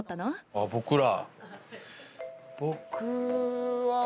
あっ僕ら。